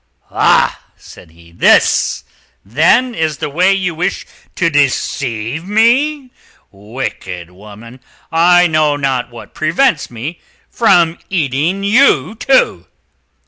"Ah!" said he, "this, then, is the way you wish to deceive me, wicked woman. I know not what prevents me from eating you, too.